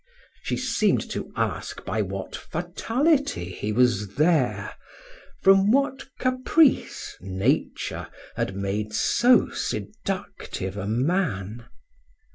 She seemed to ask by what fatality he was there, from what caprice Nature had made so seductive a man.